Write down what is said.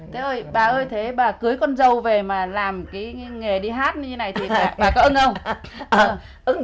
thế ơi bà ơi thế bà cưới con dâu về mà làm cái nghề đi hát như thế này thì bà có ưng không